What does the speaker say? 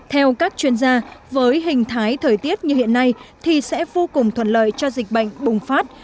theo các chuyên gia với hình thái thời tiết như hiện nay thì sẽ vô cùng thuận lợi cho dịch bệnh bùng phát